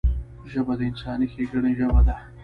ژبه د انساني ښیګڼې ژبه ده